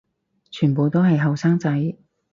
全部都係後生仔